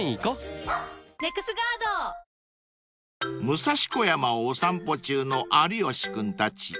［武蔵小山をお散歩中の有吉君たち］